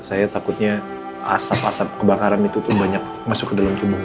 saya takutnya asap asap kebakaran itu tuh banyak masuk ke dalam tubuh